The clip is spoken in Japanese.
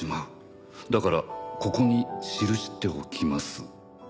「だからここに記しておきます」